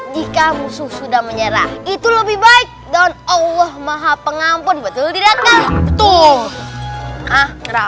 jika musuh sudah menyerah itu lebih baik dan allah maha pengampun betul tidak katung